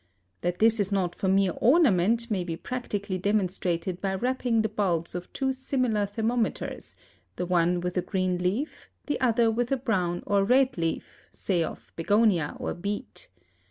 That this is not for mere ornament may be practically demonstrated by wrapping the bulbs of two similar thermometers, the one with a green leaf, the other with a brown or red leaf, say of begonia or beet.